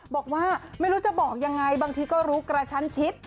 บอกว่าไม่รู้จะบอกยังไงบางทีก็รู้กระชั้นชิด